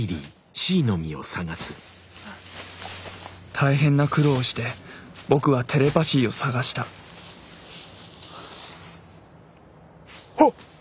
大変な苦労をして僕はテレパ椎を捜したあっ！